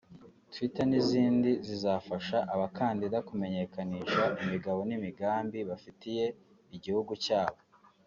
twitter n’izindi zizafasha abakandida kumenyekanisha imigabo n’imigambi bafitiye igihugu cyabo